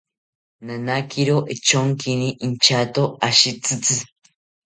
Nanakiro echonkini inchato ashi tzitzi